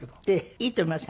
いいと思います